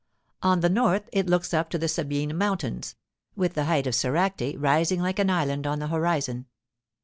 On the north it looks up to the Sabine mountains, with the height of Soracte rising like an island on the horizon.